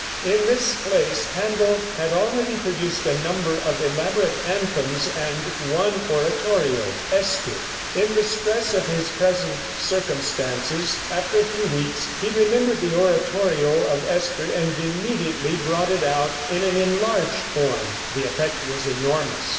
In this place Händel had already produced a number of elaborate anthems and one oratorio "Esther." In the stress of his present circumstances, after a few weeks, he remembered the oratorio of "Esther," and immediately brought it out in an enlarged form. The effect was enormous.